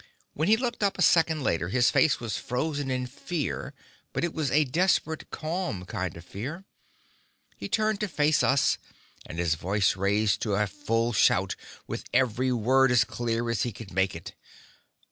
When he looked up a second later, his face was frozen in fear, but it was a desperate, calm kind of fear. He turned to face us, and his voice raised to a full shout, with every word as clear as he could make it.